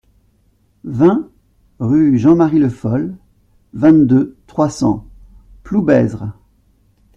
vingt rue Jean-Marie Le Foll, vingt-deux, trois cents, Ploubezre